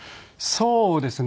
そうですね。